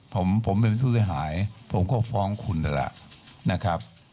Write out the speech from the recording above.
ผมเป็นผู้ที่จะหายผมก็ฟ้องคุณแล้วล่ะนะครับ